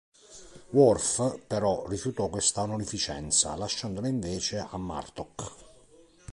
Worf, però, rifiutò questa onorificenza, lasciandola invece a Martok.